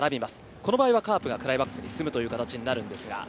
この場合はカープがクライマックスシリーズに進むという形になります。